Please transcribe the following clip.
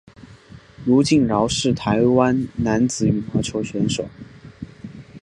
卢敬尧是台湾男子羽毛球选手。